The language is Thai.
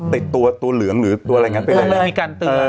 ติดตัวเหลืองหรือตัวอะไรนะ